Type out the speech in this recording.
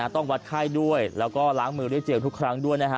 ต้องวัดไข้ด้วยแล้วก็ล้างมือด้วยเจลทุกครั้งด้วยนะฮะ